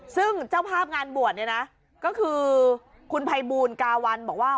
ซึ่งเจ้าภาพงานบวชเนี่ยนะก็คือคุณภัยบูลกาวันบอกว่า